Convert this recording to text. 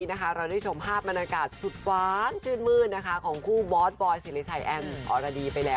เราได้ชมภาพบรรยากาศสุดหวานชื่นมืดนะคะของคู่บอสบอยสิริชัยแอนอรดีไปแล้ว